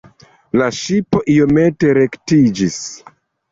La ŝipo iomete rektiĝis.